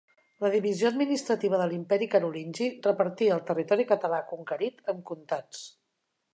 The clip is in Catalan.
La divisió administrativa de l'imperi Carolingi repartí el territori català conquerit en comtats.